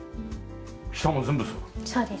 下も全部そうだ。